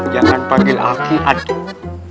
jangan panggil aku aduh